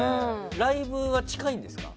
ライブは近いんですか？